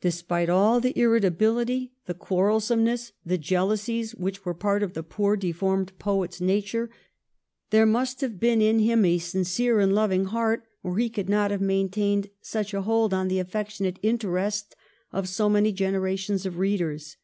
Despite all the irritability, the quarrel someness, the jealousies which were part of the poor deformed poet's nature, there must have been in him a sincere and loving heart or he could not have maintained such a hold on the affectionate interest of so many generations of readers.